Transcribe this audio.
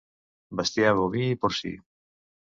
Bestiar boví i porcí.